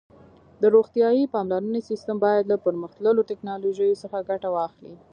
د روغتیايي پاملرنې سیسټم باید له پرمختللو ټکنالوژیو څخه ګټه واخلي.